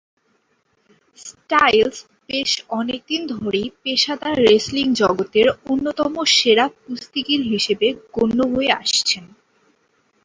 Styles বেশ অনেকদিন ধরেই পেশাদার রেসলিং জগতের অন্যতম সেরা কুস্তিগির হিসেবে গণ্য হয়ে আসছেন।